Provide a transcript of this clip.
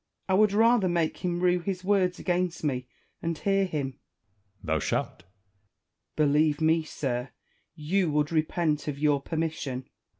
Wallace. I would rather make him rue his words against me, and hear him. Edward. Thou shalt. Wallace. Believe me, sir, you would repent of your per mission.